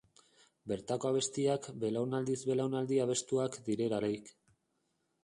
Bertako abestiak belaunaldiz-belaunaldi abestuak direlarik.